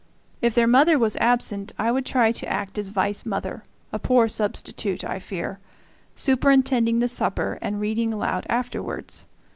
If their mother was absent, I would try to act as vice mother a poor substitute, I fear superintending the supper and reading aloud afterwards.